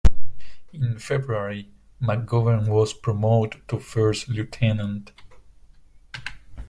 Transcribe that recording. In February, McGovern was promoted to First Lieutenant.